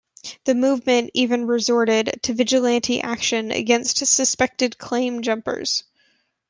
The movement even resorted to vigilante action against suspected claim jumpers.